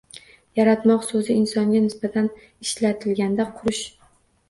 Yaratmoq soʻzi insonga nisbatan ishlatilganda qurish